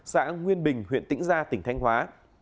xã nguyên bình huyện tĩnh gia tỉnh thanh hóa